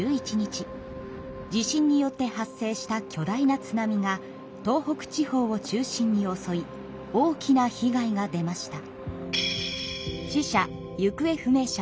地震によって発生した巨大な津波が東北地方を中心におそい大きな被害が出ました。